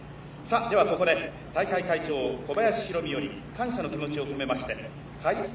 ではここで大会会長、小林浩美より、感謝の気持ちを込めまして開催